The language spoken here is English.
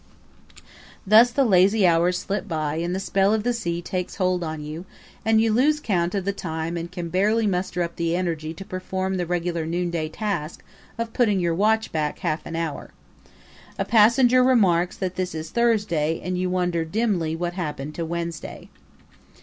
Thus the lazy hours slip by and the spell of the sea takes hold on you and you lose count of the time and can barely muster up the energy to perform the regular noonday task of putting your watch back half an hour. A passenger remarks that this is Thursday and you wonder dimly what happened to Wednesday.